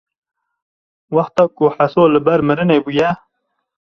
wexta ku Heso li ber mirinê bûye